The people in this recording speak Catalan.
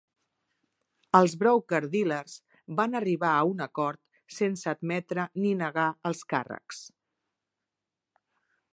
Els broker dealers van arribar a un acord sense admetre ni negar els càrrecs.